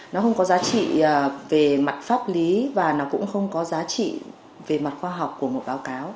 nó không có giá trị về mặt pháp lý và nó cũng không có giá trị về mặt khoa học của một báo cáo